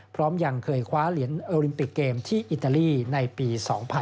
พร้อมยังเคยคว้าเหรียญโอลิมปิกเกมที่อิตาลีในปี๒๐๑๖